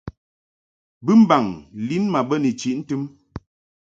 Mɨmbaŋ lin ma bə ni chiʼ ntɨm.